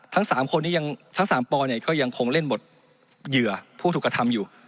ทั้งสามปอล์ยังคงเล่นบทเหยื่อผู้ถูกต่อทำอยู่